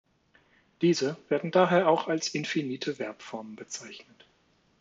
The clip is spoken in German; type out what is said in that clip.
Diese werden daher auch als infinite Verbformen bezeichnet.